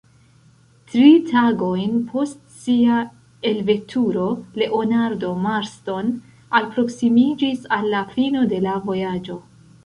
Tri tagojn post sia elveturo Leonardo Marston alproksimiĝis al la fino de la vojaĝo.